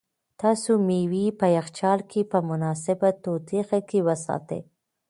تاسو مېوې په یخچال کې په مناسبه تودوخه کې وساتئ.